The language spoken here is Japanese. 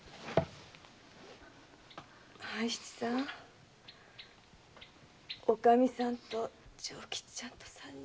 半七さんおかみさんと長吉ちゃんと三人